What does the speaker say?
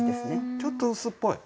ちょっと薄っぽい？